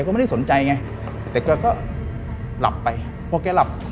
ก็ว่าอีกคนก็จะออกไปด่า